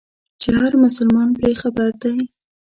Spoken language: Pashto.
چې هر مسلمان پرې خبر دی.